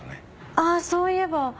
ああそういえば。